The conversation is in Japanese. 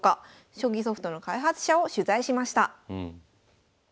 将棋ソフトの開発者を取材しました。